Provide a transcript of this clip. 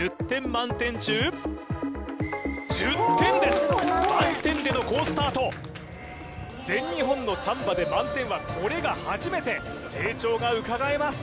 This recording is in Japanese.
満点での好スタート全日本のサンバで満点はこれが初めて成長がうかがえます